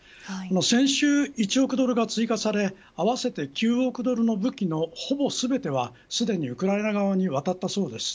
先週１億ドルが追加され合わせて９億ドルの武器のほぼすべてはすでにウクライナ側に渡ったそうです。